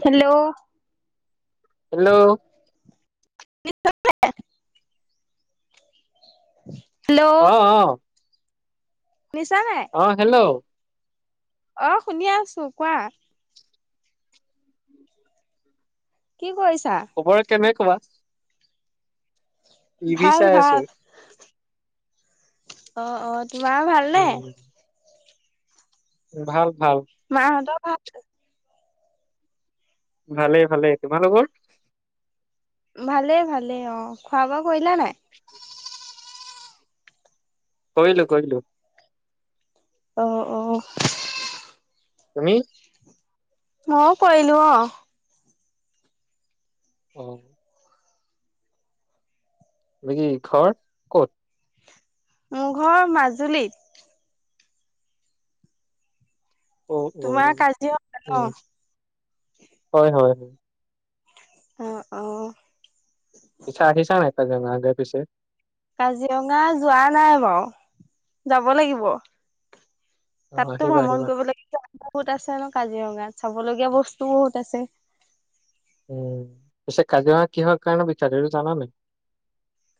Hello, hello [unintelligible] উ [inaudible] অ-অ, শুনিছা অহ হেল্ল' অঁহ শুনি আছো কোৱা? কি কৈৰিছ? খবৰ কেনে বা ভাল আছো ভাল অ অ তোমাৰ ভালনে উম ভাল। ভাল মাহঁতৰ? ভাল? ভালেই, ভালেই তোমলোকৰ ভালে, ভালে অ, খোৱা বোৱা কৰিলা নাই? কৰিলোঁ কৰিলোঁ। অ অ। তুমি? মই কৰিলোঁ অ অ বাকি ঘৰ ক'ত? মোৰ ঘৰ মাজুলীত। অ অ তোমাৰ কাজিৰঙা ন? হয়, হয়, হয়। অ অ। পিছা আহিছা নাই কাজিৰঙালৈ পিছে কাজিৰঙা যোৱা নাই বাও যাব লাগিব। অ তাতো আহিবা ভ্ৰমণ আহিবা কৰিব লাগিব, বহুত আছে ন কাজিৰঙাত। চাবলগীয়া বস্তু বহুত আছে। উম, পিছে কাজিৰঙা কিহৰ কাৰণে বিখ্যাৎ এইটো জানা নেকি?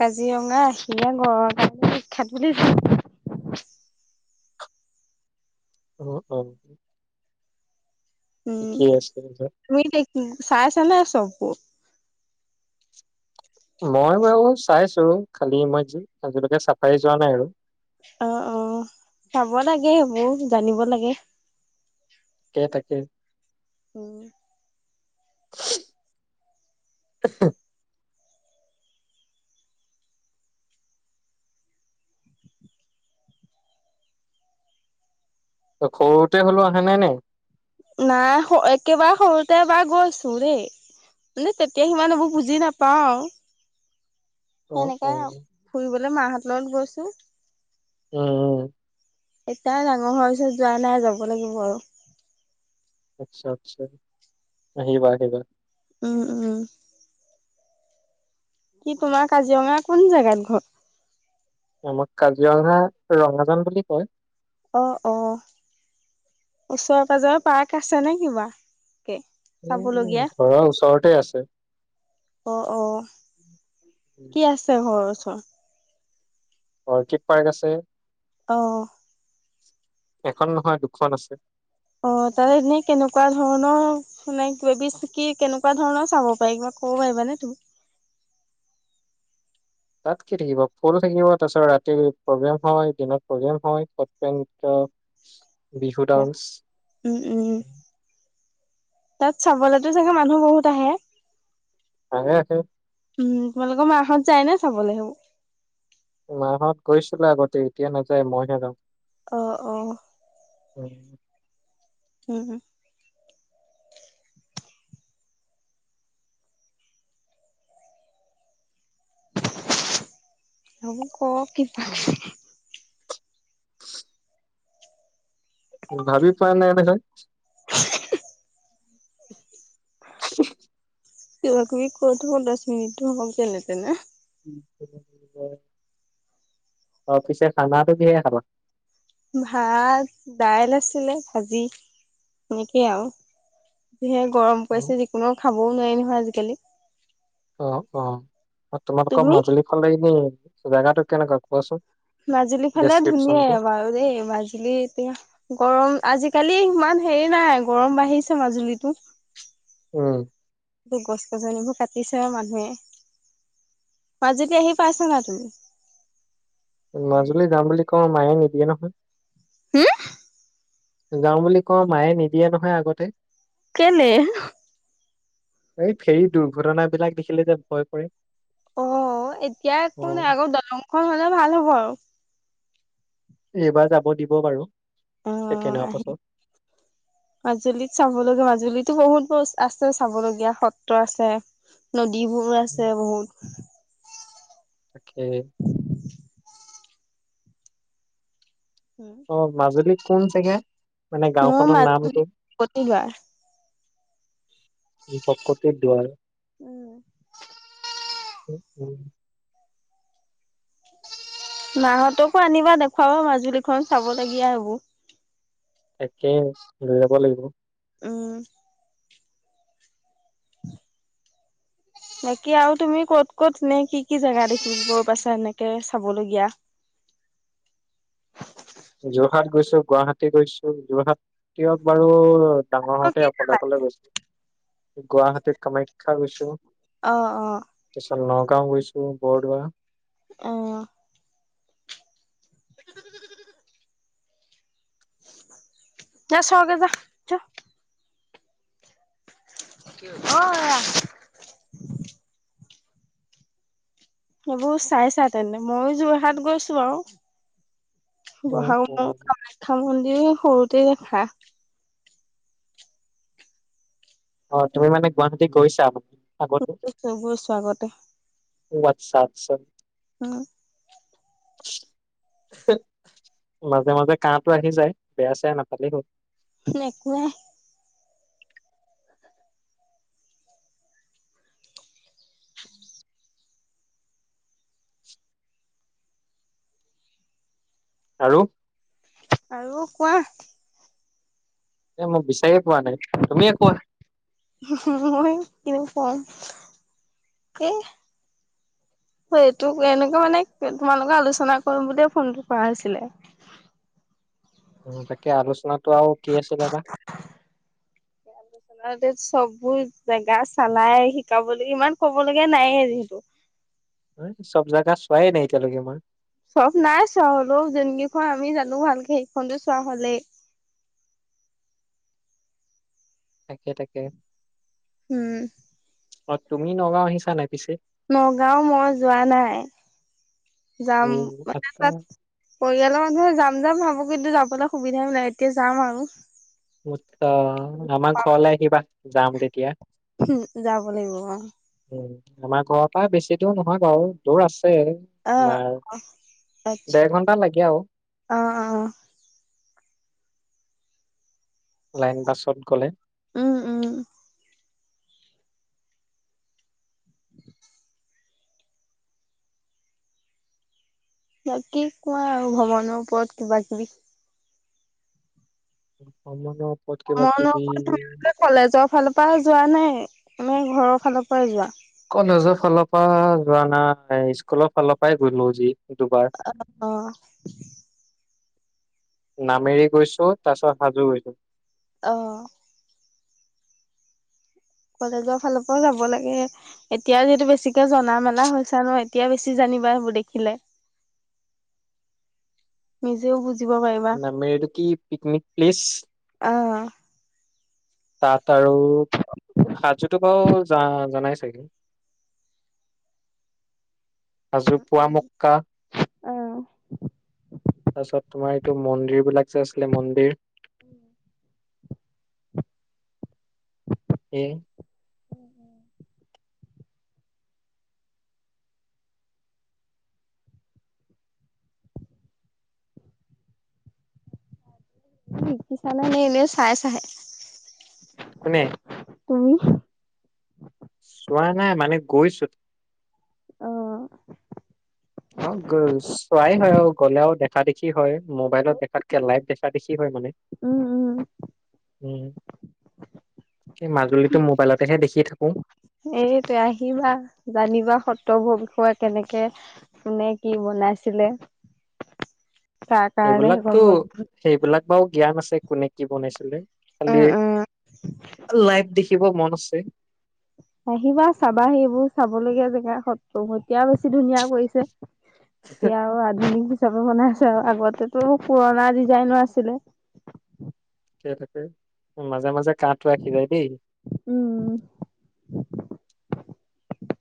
কাজিৰঙা এহিঙীয়া গড়ৰ কাৰণে বিখ্যাত বুলি জানো। অ', অ। উম, ঠিকেই আছে তুমি চাইছানে চববোৰ। মই বাৰু চাইছো খালি মই আজিলৈকে চাফাৰী যোৱা নাই আৰু। অ অ চাব লাগে সেইবোৰ জানিব লাগে। তাকে, তাকে অ। [unintelligible] সৰুতে হলেও অহা নাই, নি। নাই একেবাৰে সৰুতে এবাৰ গৈছো দে মানে তেতিয়া সিমান এইবোৰ বুজি নাপাও আৰু। অ সেনেকে অ ফুৰিবলে মাহত লগত হৈছো। উম, উ। এতিয়া ডাঙৰ হোৱাৰ পিছত যোৱা নাই যাব লাগিব আৰু। আচ্ছা, আচ্ছা আহিবা আহিবা। উম, উম। কি তোমাৰ কাজিৰঙা কোন জেগাত ঘৰ। আমাক কাজিৰঙা ৰঙাজান বুলি কয়। অ', অ' ওচৰে পাজৰে পাৰ্ক আছে নে কিবা? কে উম চাবলীয়া ঘৰৰ ওচৰতে আছে অ', অ উম, কি আছে ঘৰৰ ওচ [unintelligible] অৰ্কিড পাৰ্ক আছে। অঅ। এখন নহয়, দুখন আছে। অ তাত এনেই কেনেকুৱা ধৰণৰ মানে, কি কেনেকুৱা ধৰণৰ চাব পাৰি কিবা কব পাৰিবানে তুমি? তাত কি থাকিব? ফুল থাকিব। তাৰ পিছত ৰাতি প্ৰগ্ৰেম, হয় দিনত প্ৰগ্ৰেম হয়। সত্ৰীয়া নৃত্য বিহু ডান্স। উম উম তাত চাবলেটো চাগে মানুহ বহুত আহে? ধেই আহে। উম, তোমালোকৰ মাইহত যায় নে চাবলৈ সেইবোৰ? মাহত গৈছিলে আগতে। এতিয়া নাযায়। মইহে যাওঁ। অ, অ। উ উম উম তই ক কিবা। ভাবি পোৱা নাই দেচোন। [inaudible] [inaudible] কিবা-কিবি কই থও। দছ মিনিট মানটো হওক যেনে তেনে। অ পিছে খানটো কিহেৰে খাবা? ভাত-দাইল আছিলে, ভাজি সেনেকেই আৰু। যিহে গৰম অ পৰিছে যিকোনো খাবও নোৱাৰি নহয় আজিকালি। অ, অ। অ, তোমালোকৰ তুমি? মাজুলী ফালেই নি? জেগাটো কেনেকুৱা কোৱাচোন। মাজুলী ফালে ধুনীয়াই ডেচক্ৰিপচনটো বাৰু দেই। মাজুলী এতিয়া গৰম আজিকালি ইমান হেৰি নাই। গৰম বাঢ়িছে মাজুলীতো। উম গছ-গছনিবোৰ কাটিছে আৰু মানুহে। মাজুলী আহি পাইছা নাই তুমি? মাজুলী যাম বুলি ক মায়ে নিদিয়ে নহয়। হুম? গাও বুলি কওঁ, মায়ে নিদিয়ে নহয় আগতে। কেলে? এই ফেৰি দুৰ্ঘটনা বিলাক দেখিলে যে ভয় কৰে। অ, এতিয়া অ একো নাই। আগৰ দলংখন হলে ভাল হ'ব আৰু। এইবাৰ যাব দিব বাৰু। অ ছেকেণ্ড হোৱাৰ আহি পাছত মাজুলী চাবলৈ গৈ মাজুলীত বহুত বস্তু আছে চাবলগীয়া, সত্ৰ আছে। ন যিবোৰ উম, আছে বহুত তাকে। অ মাজুলীত কোন চোগ মোৰ মাত প্ৰতিবাৰ প্ৰকতিৰ দাৰ উম উ উম মাহতকো আনিবা দেখুৱাবা মাজুলীখন চাব লগগীয়া এইবোৰ [unintelligible] একে লৈ যাব লাগিব অ বাকী আৰু তুমি ক'ত ক'ত এনে কি কি জোগা দেখিব পাইছা এনেকে চাব লগগীয়া যোৰহাট গৈছো গুৱাহাটী গৈছো যোৰহাটক বাৰু ডাঙৰ হওঁতে অফাললেফাললে গৈছিলো গুৱাহাটীত কামাখ্য [unintelligible] খাবিছো অ অ নগাঁও গৈছো বৰদোৱা আহ যছকছ [unintelligible] অ সেইবোৰ চাইছা তেনে মইও যোৰহাট গৈছো আৰু [unintelligible] উম, বহা উম, খাম [unintelligible] এ সৰুতেই দেখা অ তুমি মানে গুৱাহাটী গৈছা আগতে? মো চবৰে স্বাগতে আচ্ছা আছ অ মাজে মাজে কাহো আহি যায় বেয়া চে নাপালে হল [unintelligible] নে কুৱে [unintelligible] আৰু আৰু কোৱা এ মোক বিচাৰে কোৱা নাই তুমিয়ে কোৱা মই কিন কম এ এইটো এনেকুৱা মানে তোমালোকে আলোচনা কৰিম বুলিয়ে ফোনটো কৰা হৈছিলে [unintelligible] অ তাকে আলোচনাটো আৰু কি আছিলে বা আলচনাতে চবো জেগা চালাই শিকাবলৈ ইমান কব লগগীয়া নাইে যিহেতু [unintelligible] হয় চব জেগা চোৱাই নাই এতিয়ালৈকে মই চব নাই চোৱা হ'লেও যোন কেইখন আমি জানো ভালকে সেইখনো চোৱা হ'লেই [unintelligible] থাকে থাকে উম অ তুমি নগাঁও আহিছা নাই পিছে? নগাঁও মই যোৱা নাই যাম অ', মানে আচ্ছা। তাত পৰিয়ালৰ মানুহে যাম যাম ভাবো [unintelligible] কিন্তু যাবলৈ সুবিধাই ওলাই এতিয়া যাম আৰু আমাৰ ঘৰলৈ আহিবা যাম তেতিয়া উ, যাব লাগিব, অ। আমাৰ ঘৰৰ পৰাই বেছি দূৰ নহয় বাৰু, দূৰ আছে। অ আচ্ছা তোমাৰ এঘন্টা লাগে আৰু। অ অ লাইন বাছত গ'লে উম, উম। বাকি কোৱা আৰু ভ্ৰমণৰ ওপৰত কিবা কিবি। [unintelligible] কিবা কিবি [unintelligible] কলেজৰ ফালৰ পৰা যোৱা নাই। নে ঘৰৰ ফালৰ পৰাই যোৱা? কলেজৰ ফালৰ পৰা যোৱা নাই, স্কুলৰ ফালৰ পৰাই গলো যি। দুবাৰ অহ। নামেৰি গৈছো তাৰপিছত হাজো গৈছোঁ। অহ। কলেজৰ ফালৰ পৰা যাব লাগে, এতিয়া যিহেতু বেছিকে জনা মেলা হৈছে ন এতিয়া বেছি জানিবা সেইবোৰ দেখিলে। নিজেও বুজ নামেৰী এইটো কি পিকনিক প্লেছ? আহ তাত আৰু হাজোটো বাৰু জানায়ে চাগে। হাজো পুৱা মক্কা অহ। তাৰপিছত তোমাৰ এইটো মন্দিৰ বিলাক যে আছিলে মন্দিৰ। উম। [inaudible] এ উম, উম। শিকিছা নে নে এনে চাইছা হে? কোনে? তুমি? চোৱা নাই মানে গৈছো। অহ। অ', চোৱাই হয় আৰু গ'লেও দেখা দেখি হয়। মোবাইলত দেখাতকে লাইভ দেখা দেখি হয় মানে। উম উম উম, সেই মাজুলীটো মোবাইলতেহে দেখি থাকো। এইটোৱে, আহিবা, জানিবা। সত্ৰবোৰ বিষয়ে কেনেকে কোনে কি বনাইছিলে। তাৰ কাৰণে সেইখন সেইবিলাকতো বন সেইবিলাক বাৰু জ্ঞান আছে কোনে কি বনাইছিলে। খালি উম উম লাইভ দেখি ব মন আছে। আহিবা চাবা সেইবোৰ চাবলগীয়া জেগা সত্ৰ। এতিয়া বেছি ধুনীয়া কৰিছে। এতিয়া আৰু আধুনিক হিচাপে বনাই আছে। আগতেতো পুৰণা ডিজাইনৰ আছিলে। থ থাকে মাজে মাজে কাটো ৰাখিব দেই।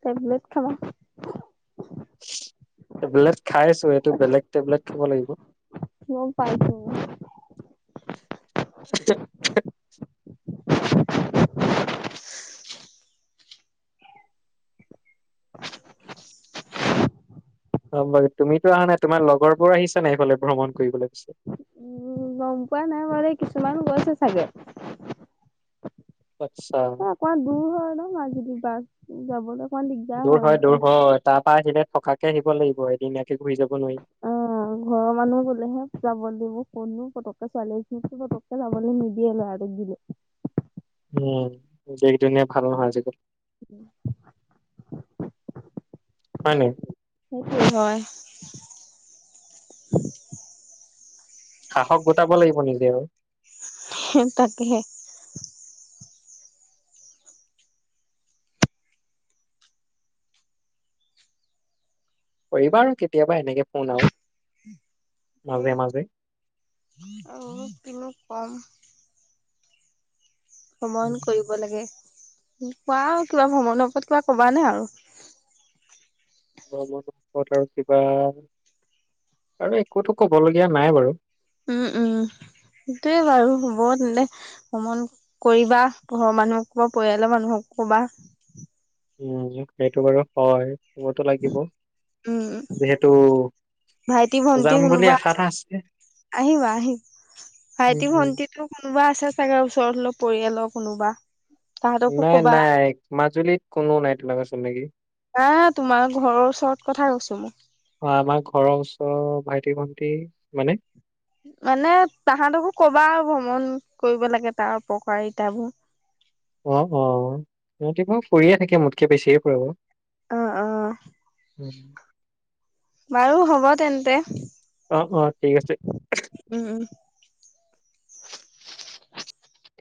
টেবলেট খাবা। টেবলেট খাই আছো এইটো বেলেগ টেবলেট খাব লাগিব। ম পাইছো। [inaudible] [inaudible] অ', বু তুমিতো অহা নাই তোমাৰ লগৰবোৰ আহিছা নে এইফালে ভ্ৰমণ কৰিবলৈ পিছে? উম গম পোৱা নাই বাৰ কিছুমান গৈছে চাগে। আচ্ছা অ', অকমান দূৰ হয় ন' মাজি দুবাক। যাবলৈ অমান দিগদাৰ দূৰ হয় দূৰ এনেকা অ', হয় তাৰ পৰা আহিলে থকাকে আহিব লাগিব এদিনীয়াকে ঘূৰি যাব নোৱাৰি ঘৰৰ মানুহ গলেহে যাব দিবোৰ শুনো পত ছোৱালীক পুতুককে যাবলৈ নিদিয়ে আৰু উম, দেশ, দুনীয়া ভাল নহয় আজিকালি। উম। হয় নাই সেইটোৱে হয়। [inaudible] সাহস গোটাব লাগিব নিজে আৰু। তাকেহে কৰিবা আৰু কেতিয়াবা এনেকে ফোন আৰু। মাজে উম, আৰু তিমত কম ভ্ৰমণ মাজে কৰিব লাগে। কোৱা আৰু কিবা ভ্ৰমণৰ ওপৰত কিবা কবা নে আৰু? আৰু কিবা আৰু একোতো ক'ব লগীয়া নাই বাৰু। উম, উম, সেইটোয়ে বাৰু হ'ব তেন্তে ভ্ৰমণ কৰিবা ঘৰৰ মানুহক ক'বা পৰিয়ালৰ মানুহক ক'বা। উম, সেইটো বাৰু হয়। ক'বতো লাগিব উম, যিহেতু ভাইটি ভন্টি যাম বুলি কোনোবা আশা এটা আছে আহিবা আহিবা উম, ভাইটি উম, ভন্টিটো কোনোবা আছে চাগে ওচৰতলপ পৰিয়ালৰ কোনোবা। তাহাঁতকো নাই, কবা নাই মা জুলিত কোনো নাই তেনেকুৱা চিনাকি। অ', তোমাৰ ঘৰৰ ওচৰত কথা কৈছো মই। ভণ্টি মানে মানে তাহাঁতকো ক'বা আৰু ভ্ৰমণ কৰিব লাগে তাৰ উপকাৰিতাবোৰ। অ', অ', সিহঁতি ম' ফুৰিয়ে থাকে মোতকে বেছিয়ে ফুৰে বাৰু। অ', অ'। উম। বাৰু হ'ব তেন্তে। অ', অ', ঠিক আছে। উম উম